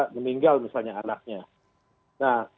meninggal misalnya anaknya nah